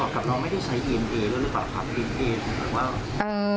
กับน้องไม่ได้ใช้อินเอหรือเปล่าครับอินเอ